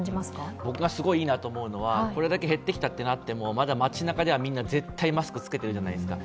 僕がすごいいいなと思うのは、これだけ減ってきても街なかではみんなマスクを着けているじゃないですか。